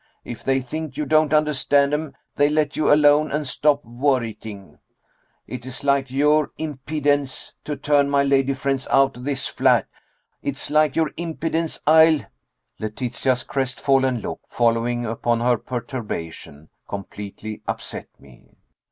If they think you don't understand 'em, they'll let you alone and stop worriting. It's like your impidence to turn my lady friends out of this flat. It's like your impidence. I'll " Letitia's crestfallen look, following upon her perturbation, completely upset me.